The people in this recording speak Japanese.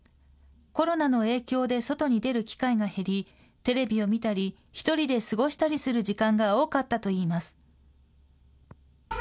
コロナの影響で外に出る機会が減り、テレビを見たり１人で過ごしたりする時間が多かったといいます。